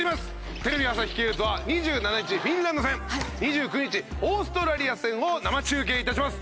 テレビ朝日系列は２７日フィンランド戦２９日オーストラリア戦を生中継いたします。